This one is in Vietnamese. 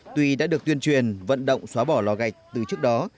tuy đã được tuyên truyền vận động xóa bỏ lò gạch từ trước đó